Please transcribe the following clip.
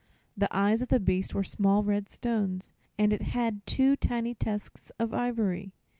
The eyes of the beast were small red stones, and it had two tiny tusks of ivory.